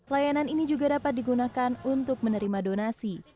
layanan ini juga dapat digunakan untuk menerima donasi